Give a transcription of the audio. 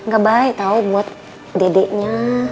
gak baik tau buat dedeknya